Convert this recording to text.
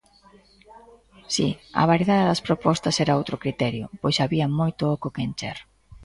Si, a variedade das propostas era outro criterio, pois había moito oco que encher.